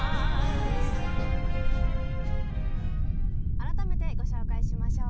改めてご紹介しましょう。